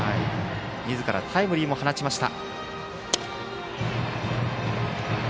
みずからタイムリーも放ちました。